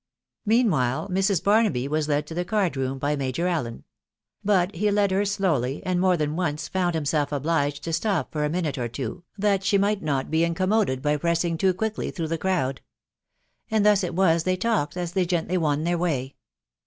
##■* Meanwhile Mrs. Barnaby was led to the card room by Major Allen ; but he led her slowly, and more than once found himself obliged to stop for a minute or two, that she might not be incommoded by pressing too quickly through the crowd. And thus it was they talked, as they gently won their way.